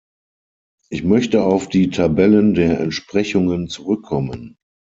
Ich möchte auf die Tabellen der Entsprechungen zurückkommen.